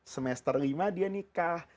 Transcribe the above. semester lima dia nikah